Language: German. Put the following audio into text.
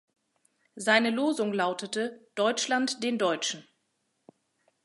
Seine Losung lautete: „Deutschland den Deutschen“.